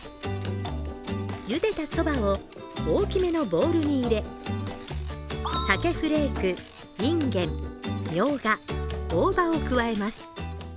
ゆでたそばを大きめのボウルに入れさけフレーク、いんげん、みょうが、大葉を加えます。